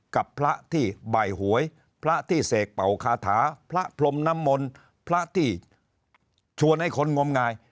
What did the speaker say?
กับพระที่ใบหวยพระที่เสกเป่าคาถาพระพรมน้ำมนต์พระที่ชวนให้คนงมงาย